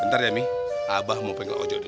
bentar ya mi abah mau penggal ojo dulu